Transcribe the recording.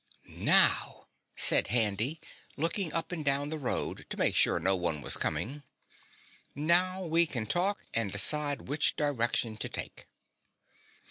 "NOW!" said Handy, looking up and down the road to make sure no one was coming, "now we can talk and decide which direction to take."